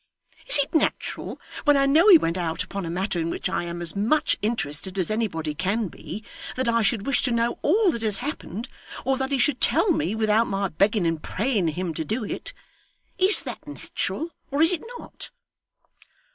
Is it natural, when I know he went out upon a matter in which I am as much interested as anybody can be, that I should wish to know all that has happened, or that he should tell me without my begging and praying him to do it? Is that natural, or is it not?